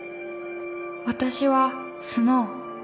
私はスノウ。